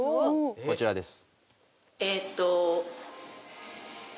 こちらです。